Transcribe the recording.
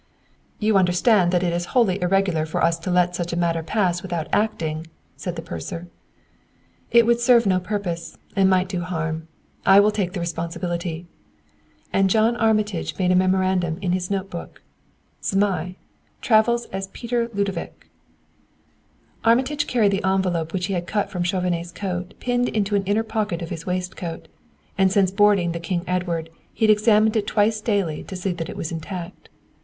"You understand that it is wholly irregular for us to let such a matter pass without acting " said the purser. "It would serve no purpose, and might do harm. I will take the responsibility." And John Armitage made a memorandum in his notebook: "Zmai ; travels as Peter Ludovic." Armitage carried the envelope which he had cut from Chauvenet's coat pinned into an inner pocket of his waistcoat, and since boarding the _King Edward _he had examined it twice daily to see that it was intact.